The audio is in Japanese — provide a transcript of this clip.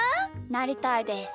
なりたいです。